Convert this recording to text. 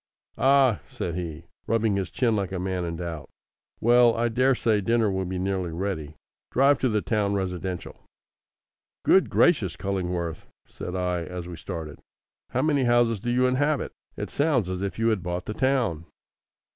"Ah!" said he, rubbing his chin like a man in doubt. "Well, I daresay dinner will be nearly ready. Drive to the town residential." "Good gracious, Cullingworth!" said I as we started. "How many houses do you inhabit? It sounds as if you had bought the town."